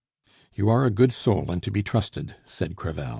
"You are a good soul and to be trusted," said Crevel.